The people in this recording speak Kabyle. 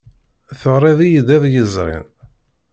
Teɣriḍ-iyi-d iḍ yezrin?